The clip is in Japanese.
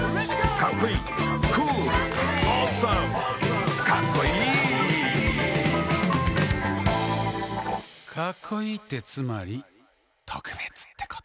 かっこいいってつまり特別ってこと。